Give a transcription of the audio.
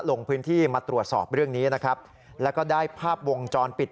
ลงพื้นที่มาตรวจสอบเรื่องนี้นะครับแล้วก็ได้ภาพวงจรปิด